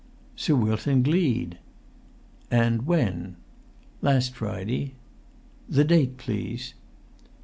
"Sir Wilton Gleed." "And when?" "Last Friday." "The date, please!"